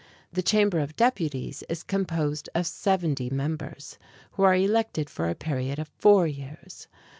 The Chamber of Deputies is composed of seventy members, who are elected for a period of four years.